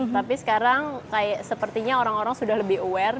tapi sekarang sepertinya orang orang sudah lebih aware